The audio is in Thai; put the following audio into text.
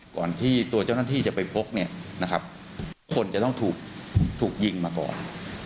ก่อนที่ตัวเจ้าหน้าที่จะไปพกคนจะต้องถูกยิงมาก่อน